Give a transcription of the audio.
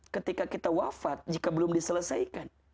ketika kita wafat jika belum diselesaikan